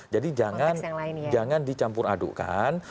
jadi jangan dicampur adukan